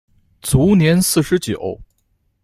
卒年四十九。